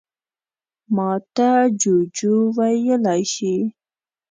_ماته جُوجُو ويلی شې.